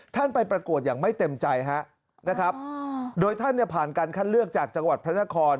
ไปประกวดอย่างไม่เต็มใจฮะนะครับโดยท่านเนี่ยผ่านการคัดเลือกจากจังหวัดพระนคร